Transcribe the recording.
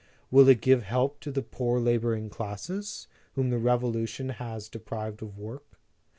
o Will it give help to the poor laboring classes, whom the revolution has deprived of work?